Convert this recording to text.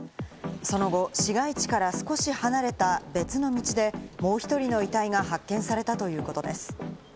その後、市街地から少し離れた別の道でもう１人の遺体が発見されたということです。